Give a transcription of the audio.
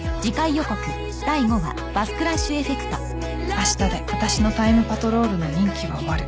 明日で私のタイムパトロールの任期は終わる。